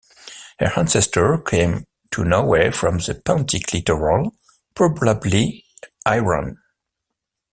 Her ancestors came to Norway from the Pontic littoral, probably Iran.